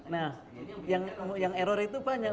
nah yang error itu banyak